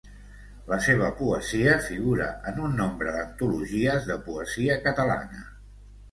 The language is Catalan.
La seva poesia figura en un nombre d'antologies de poesia catalana.